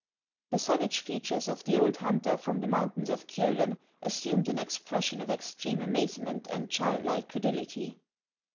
The savage features of the old hunter from the mountains of Kiolen assumed an expression of ex treme amazement and childlike credulity.